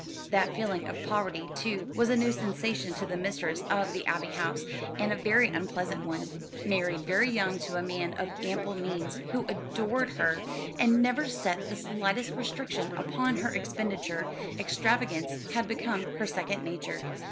That feeling of poverty, too, was a new sensation to the mistress of the Abbey House, and a very unpleasant one. Married very young to a man of ample means, who adored her, and never set the slightest restriction upon her expenditure, extravagance had become her second nature.